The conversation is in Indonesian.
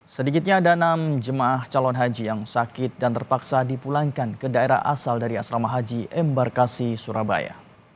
sedikitnya ada enam jemaah calon haji yang sakit dan terpaksa dipulangkan ke daerah asal dari asrama haji embarkasi surabaya